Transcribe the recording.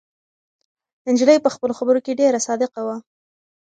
نجلۍ په خپلو خبرو کې ډېره صادقه وه.